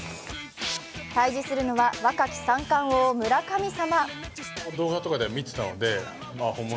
対じするのは若き三冠王・村神様。